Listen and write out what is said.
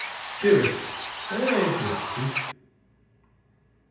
"Dearest, may I interrupt you?"